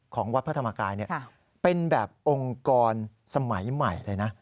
วัดพระธรรมกายเป็นแบบองค์กรสมัยใหม่เลยนะ